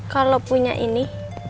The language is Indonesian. kalau punya ini